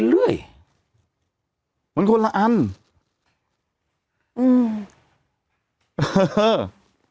แต่หนูจะเอากับน้องเขามาแต่ว่า